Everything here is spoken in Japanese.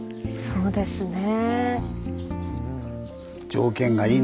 そうですね。